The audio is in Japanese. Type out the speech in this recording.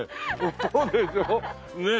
そうでしょ？ねえ。